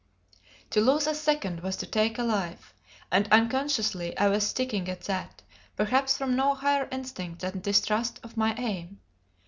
To lose a second was to take a life, and unconsciously I was sticking at that, perhaps from no higher instinct than distrust of my aim.